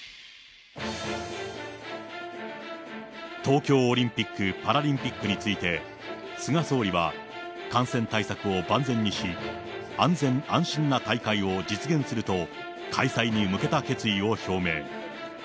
東京オリンピック・パラリンピックについて、菅総理は感染対策を万全にし、安全・安心な大会を実現すると、開催に向けた決意を表明。